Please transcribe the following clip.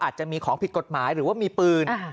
อาจจะมีของผิดกฎหมายหรือว่ามีปืน